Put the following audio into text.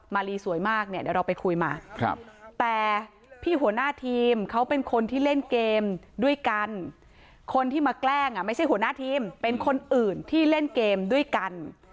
มารีสวยมากเนี่ยเดี๋ยวเราไปคุยมาแต่พี่หัวหน้าทีมเขาเป็นคนที่เล่นเกมด้วยกันคนที่มาแกล้งไม่ใช่หัวหน้าทีมเป็นคนอื่นที่เล่นเกมด้วยกัน